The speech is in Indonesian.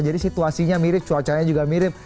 jadi situasinya mirip cuacanya juga mirip